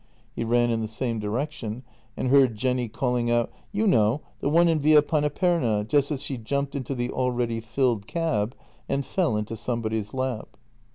He ran in the same direction and heard Jenny calling out: "You know, the one in Via Paneperna," just as she jumped into the already filled cab and fell into somebody's lap.